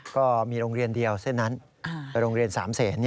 ก็มีโรงเรียนเดียวเส้นนั้นโรงเรียน๓เสน